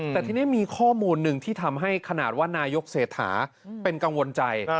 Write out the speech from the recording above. แต่ทีนี้มีข้อมูลหนึ่งที่ทำให้ขนาดว่านายกเศรษฐาเป็นกังวลใจ